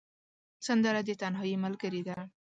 سندره د تنهايي ملګرې ده